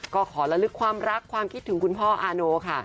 ก็ขอละลึกความรักความคิดถึงคุณพ่ออาโนค่ะ